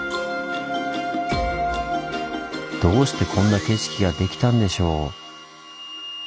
どうしてこんな景色ができたんでしょう？